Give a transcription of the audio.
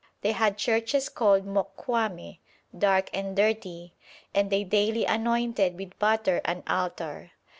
They had churches called moquame, dark and dirty, and they daily anointed with butter an altar.